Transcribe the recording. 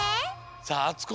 さああつこ